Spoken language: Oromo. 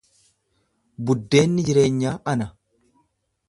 Buddeenni jireenyaa ana.